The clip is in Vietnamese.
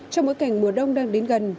trong bối cảnh mùa đông đang đến gần